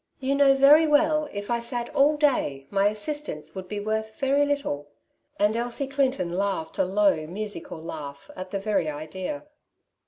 You know yery well, if I sat all day my assistance would be worth very little ;'' and Elsie Clinton laughed a low, musical laugh at the very idea.